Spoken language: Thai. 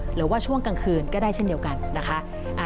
หรือว่าช่วงกลางคืนก็ได้เช่นเดียวกันนะคะ